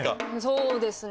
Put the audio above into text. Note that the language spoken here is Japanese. そうですね。